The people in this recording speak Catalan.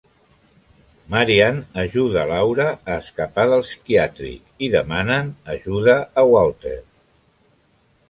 Marian ajuda Laura a escapar del psiquiàtric i demanen ajuda a Walter.